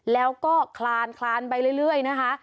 แล้วก็คลานไปเรื่อยนะคะ